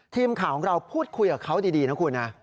ทีมข่าวของเราพูดคุยกับเขาดีนะคุณนะ